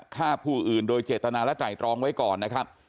ฆ่าผู้อื่นโดยเจตนาและไตรตรองไว้ก่อนนะครับ